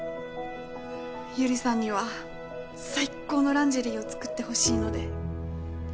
百合さんには最高のランジェリーを作ってほしいので